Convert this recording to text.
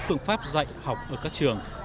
phương pháp dạy học ở các trường